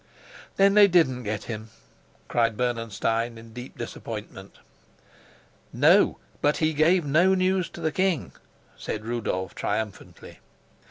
"Then they didn't get him!" cried Bernenstein in deep disappointment. "No, but he gave no news to the king," said Rudolf triumphantly.